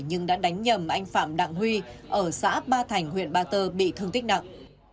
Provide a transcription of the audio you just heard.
nhưng đã đánh nhầm anh phạm đặng huy ở xã ba thành huyện ba tơ bị thương tích nặng